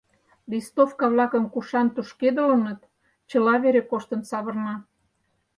Листовка-влакым кушан тушкедылыныт, чыла вере коштын савырна.